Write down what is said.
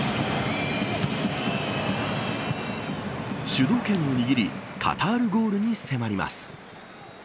主導権を握りカタールゴールに迫ります。